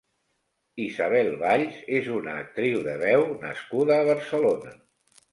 Isabel Valls és una actriu de veu nascuda a Barcelona.